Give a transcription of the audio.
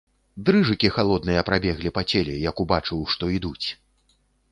Дрыжыкі халодныя прабеглі па целе, як убачыў, што ідуць.